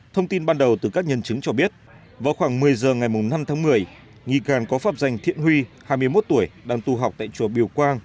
thông tin ban đầu từ các nhân chứng cho biết vào khoảng một mươi giờ ngày năm tháng một mươi nghi can có pháp danh thiện huy hai mươi một tuổi đang tu học tại chùa biểu quang